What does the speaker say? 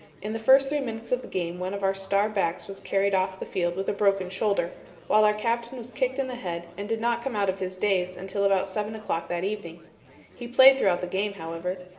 In the first three minutes of the game one of our star backs was carried off the field with a broken shoulder, while our captain was kicked in the head and did not come out of his daze until about seven o'clock that evening. He played throughout the game, however.